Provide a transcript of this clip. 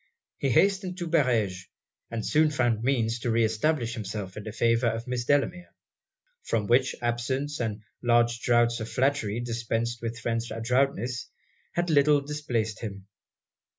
He hastened to Barege; and soon found means to re establish himself in the favour of Miss Delamere; from which, absence, and large draughts of flattery dispensed with French adroitness, had a little displaced him.